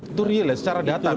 itu real ya secara data